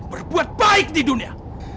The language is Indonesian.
berbuat baik di dunia